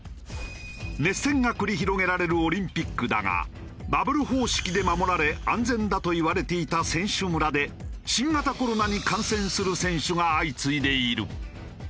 熱戦が繰り広げられるオリンピックだがバブル方式で守られ安全だといわれていた選手村で新型コロナに感染する選手が相次いでいる。